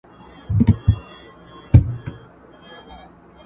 حجره سته طالب یې نسته.!